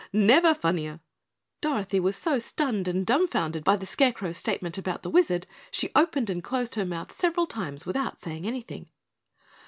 Never funnier!" Dorothy was so stunned and dumbfounded by the Scarecrow's statement about the Wizard, she opened and closed her mouth several times without saying anything.